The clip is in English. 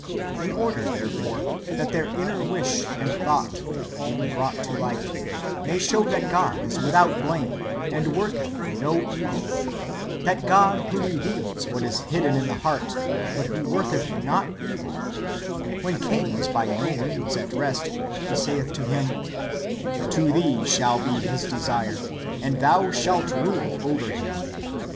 "^ In order, therefore, that their inner wish and thought, being brought to light, may show that God is without blame, and w^orketh no evil — that God who reveals what is hidden [in the heart], but who worketh not evil — when Cain was by no means at rest, He saith to him :" To thee shall be his desire, and thou shalt rule over him."